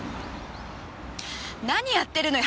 何やってるのよ！